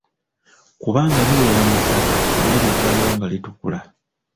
Kubanga libeera mu ttaka naye livaayo nga litukula.